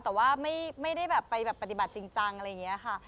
แต่ว่าไม่ได้แบบไปแบบปฏิบัติจริงจังอะไรอย่างนี้ค่ะ